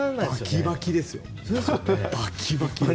バキバキです。